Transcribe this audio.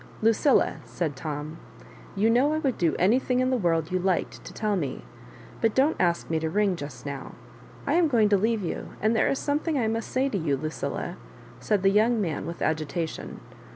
Lucilla," said Tom, "you know I would do anything in the world you liked to tell me ; but don't ask me to ring just now : I am going to leave you, and there is something I must say to you, Lucilla," said the young man, with agita tion.